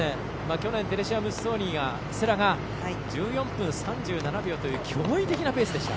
去年、テレシア・ムッソーニ世羅が１４分３４秒という驚異的なペースでした。